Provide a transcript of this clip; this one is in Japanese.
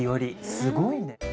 すごいね。